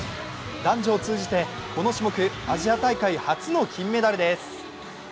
男女を通じてこの種目、アジア大会初の金メダルです。